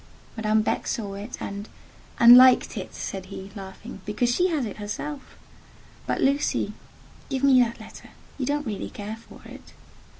Madame Beck saw it, and—" "And liked it," said he, laughing, "because she has it herself. But, Lucy, give me that letter—you don't really care for it."